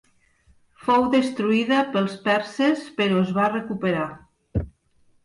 Fou destruïda pels perses però es va recuperar.